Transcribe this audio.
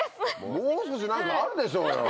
もう少し何かあるでしょうよ。